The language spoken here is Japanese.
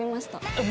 えっ！